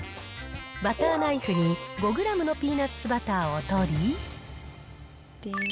バターナイフに５グラムのピーナッツバターを取り。